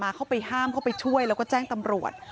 เข้าไปห้ามเข้าไปช่วยแล้วก็แจ้งตำรวจ